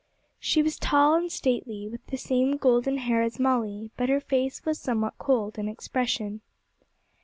She was tall and stately, with the same golden hair as Molly, but her face was somewhat cold in expression.